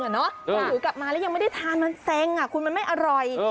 หรือกลับมาแล้วยังไม่ได้ทานมันเซ็งคุณมันไม่อร่อย